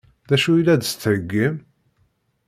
D acu i la s-d-tettheggim?